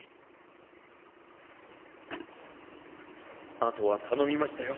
あとはたのみましたよ